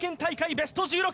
ベスト１６